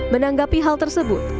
menanggapi hal tersebut